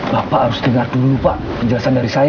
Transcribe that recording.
bapak harus dengar dulu pak penjelasan dari saya